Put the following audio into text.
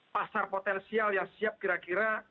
pasar potensial yang siap kira kira